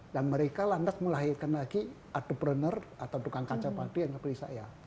dan mereka langsung melahirkan lagi entrepreneur atau tukang kaca padi yang seperti saya